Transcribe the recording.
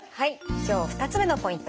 今日２つ目のポイント